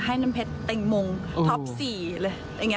ให้น้ำเพชรเต็มมงมิสเอิร์ทท็อป๔เลย